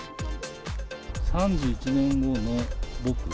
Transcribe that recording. ３１年後の僕へ。